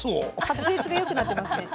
滑舌が良くなってますね。